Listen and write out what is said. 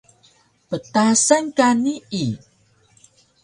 Ptasan ka nii